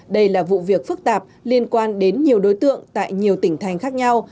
đây là vụ việc phức tạp liên quan đến nhiều đối tượng tại nhiều tỉnh thành khác nhau